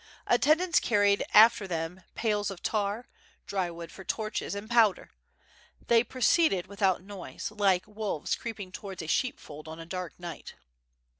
Attendants carried after them pails of tar, dry wood for torches, and powder. Thep proceeded without noise, like wolves creeping towards a sheepfold on a dark ni^ht.